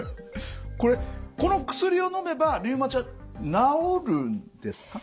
これこの薬をのめばリウマチは治るんですか？